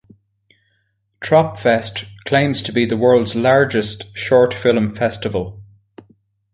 Tropfest claims to be the world's largest short film festival.